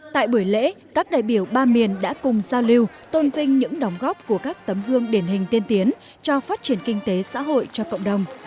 tại buổi lễ các đại biểu ba miền đã cùng giao lưu tôn vinh những đóng góp của các tấm gương điển hình tiên tiến cho phát triển kinh tế xã hội cho cộng đồng